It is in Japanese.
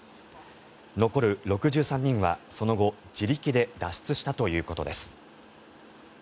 残る６３人は、その後自力で脱出したということです。